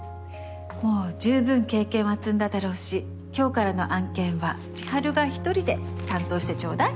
もう十分経験は積んだだろうし今日からの案件は千晴が１人で担当してちょうだい。